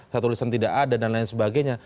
satu lisan tidak ada dan lain sebagainya